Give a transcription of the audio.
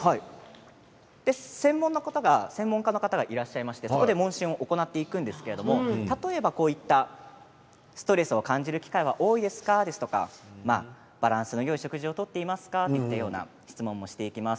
専門家の方がいらっしゃって問診を行っていくんですけれど例えばストレスを感じる機会は多いですかとかバランスのよい食事をとっていますかといったような質問もしていきます。